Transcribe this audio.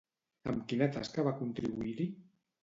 Amb quina tasca va contribuir-hi?